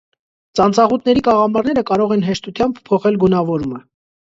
Ծանծաղուտների կաղամարները կարող են հեշտությամբ փոխել գունավորումը։